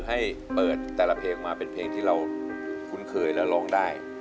ให้เปิดแต่ละเพลงมาเป็นเพลงที่เราคุ้นเคยและร้องได้